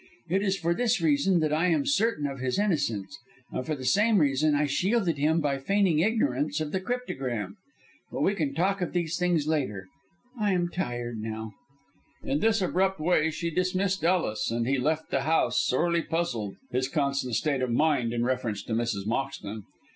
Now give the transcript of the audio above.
It is for this reason that I am certain of his innocence, and for the same reason I shielded him by feigning ignorance of the cryptogram. But we can talk of these things later. I am tired now." In this abrupt way she dismissed Ellis, and he left the house sorely puzzled, his constant state of mind in reference to Mrs. Moxton.